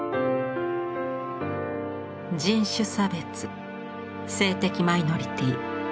人種差別性的マイノリティー。